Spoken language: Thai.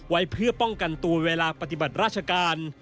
ไว้เพื่อป้องกันตัวเวลาปฏิบัติราชการ